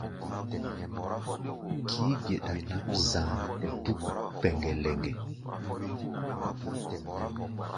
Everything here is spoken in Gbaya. Kií-geɗa nʼǎm za̧a̧ dúk pɛŋgɛ-lɛŋgɛ.